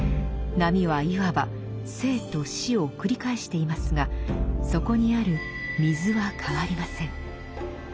波はいわば生と死を繰り返していますがそこにある水は変わりません。